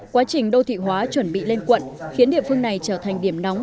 quá trình đô thị hóa chuẩn bị lên quận khiến địa phương này trở thành điểm nóng